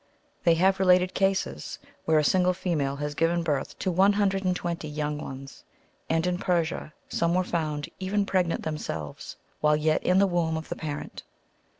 They have related cases where a single female has given birth to one hundred and tAventy young ones, and in Persia some were found, even pregnant themselves,^'' while yet in the womb of the parent.